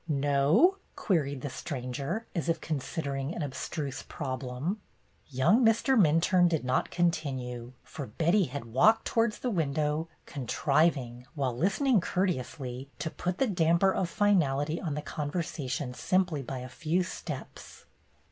''No?" queried the stranger, as if consid ering an abstruse problem. Young Mr. Min turne did not continue, for Betty had walked towards the window, contriving, while listen ing courteously, to put the damper of finality on the conversation simply by a few steps.